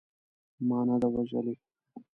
ما نه ده وژلې.